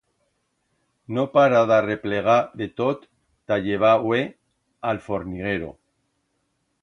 No para d'arreplegar de tot ta llevar-hue a'l forniguero.